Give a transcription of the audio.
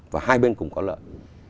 và hai bên cũng có lợi